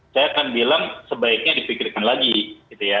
saya akan bilang sebaiknya dipikirkan lagi gitu ya